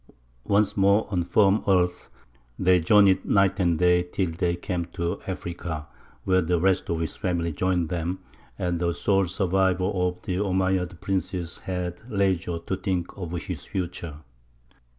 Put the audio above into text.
Once more on firm earth, they journeyed night and day till they came to Africa, where the rest of his family joined them, and the sole survivor of the Omeyyad princes had leisure to think of his future.